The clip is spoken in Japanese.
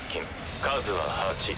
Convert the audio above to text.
数は８。